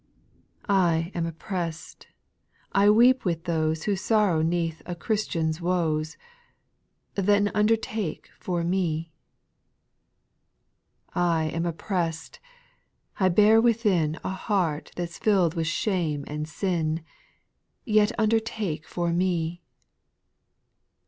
I am oppressed ; I weep with those Who sorrow 'neath a Christian's woes ; Then undertake for me I 4. I am oppressed ; I bear within A heart that's fiU'd with shame and sin, Yet undertake for me I 5.